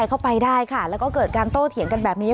เข้าไปได้ค่ะแล้วก็เกิดการโต้เถียงกันแบบนี้